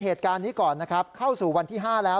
เหตุการณ์นี้ก่อนนะครับเข้าสู่วันที่๕แล้ว